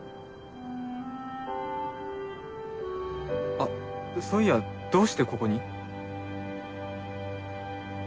あっそういやどうしてここに？